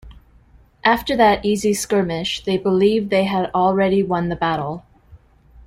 After that easy skirmish they believed they had already won the battle.